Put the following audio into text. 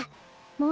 もう！